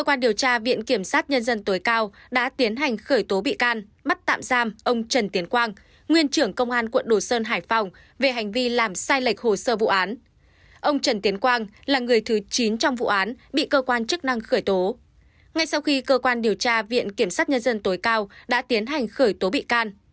khi cơ quan điều tra viện kiểm sát nhân dân tối cao đã tiến hành khởi tố bị can